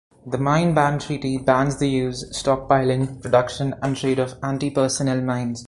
The Mine Ban Treaty bans the use, stockpiling, production and trade of antipersonnel mines.